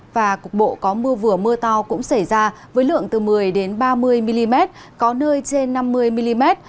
và cục bộ có mưa vừa mưa to cũng xảy ra với lượng từ một mươi ba mươi mm có nơi trên năm mươi mm